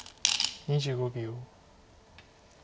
２５秒。